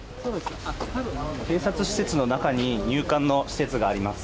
警察施設の中に入管の施設があります。